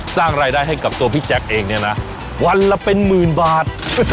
สร้างรายได้ให้กับตัวพี่แจ๊คเองเนี่ยนะวันละเป็นหมื่นบาท